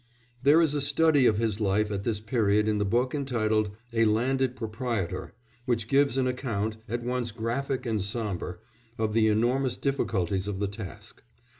There is a study of his life at this period in the book entitled A Landed Proprietor, which gives an account, at once graphic and sombre, of the enormous difficulties of the task.